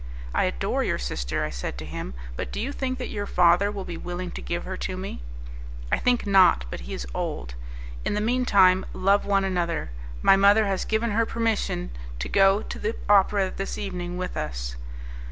"I adore your sister," I said to him; "but do you think that your father will be willing to give her to me?" "I think not; but he is old. In the mean time, love one another. My mother has given her permission to go to the opera this evening with us."